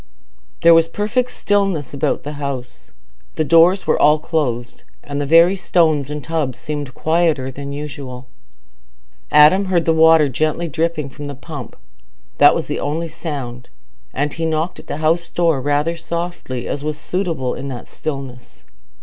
There was perfect stillness about the house. The doors were all closed, and the very stones and tubs seemed quieter than usual. Adam heard the water gently dripping from the pump—that was the only sound—and he knocked at the house door rather softly, as was suitable in that stillness.